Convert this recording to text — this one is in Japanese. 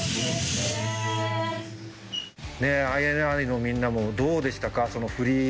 ＩＮＩ のみんなもどうでしたか？